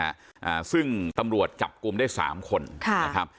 อ่าซึ่งตำรวจจับกลุ่มได้สามคนค่ะนะครับ